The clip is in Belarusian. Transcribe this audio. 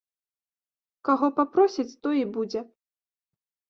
Каго папросяць, той і будзе.